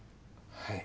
はい。